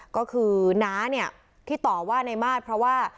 ก็คือน้าเนี่ยที่ต่อว่าในมาตรเพราะว่า